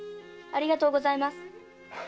ありがとうございます。